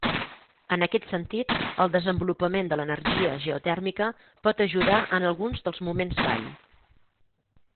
En aquest sentit el desenvolupament de l'energia geotèrmica pot ajudar en alguns dels moments vall.